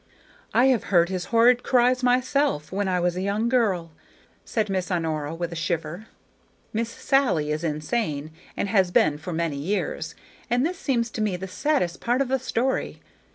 I have heard his horrid cries myself, when I was a young girl," said Miss Honora, with a shiver. "Miss Sally is insane, and has been for many years, and this seems to me the saddest part of the story.